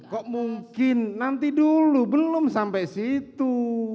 kok mungkin nanti dulu belum sampai situ